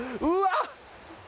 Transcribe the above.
うわっ！